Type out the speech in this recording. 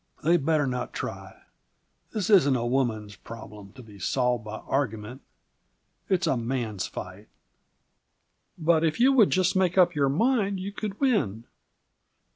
They'd better not try. This isn't a woman's problem, to be solved by argument. It's a man's fight!" "But if you would just make up your mind, you could win."